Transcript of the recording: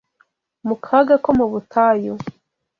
mu kaga ko mu butayu